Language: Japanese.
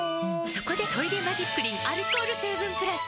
そこで「トイレマジックリン」アルコール成分プラス！